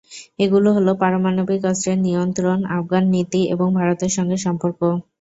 এগুলো হলো, পারমাণবিক অস্ত্রের নিয়ন্ত্রণ, আফগান নীতি এবং ভারতের সঙ্গে সম্পর্ক।